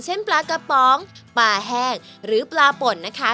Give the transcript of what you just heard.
ปลากระป๋องปลาแห้งหรือปลาป่นนะคะ